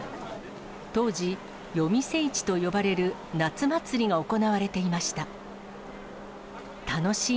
当時、夜店市と呼ばれる夏祭りが行われていました。